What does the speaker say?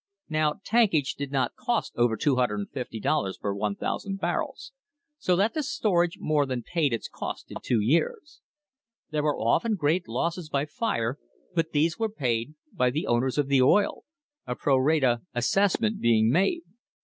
Now, tankage did not cost over $250 per 1,000 barrels, so that the storage more than paid its cost in two years. There were often great losses by fire, but these were paid by the owners of the oil a pro rata assessment being made.